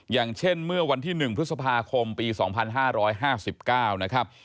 อย่างเช่นเมื่อวันที่๑พฤษภาคมปี๒๕๕๙นะครับ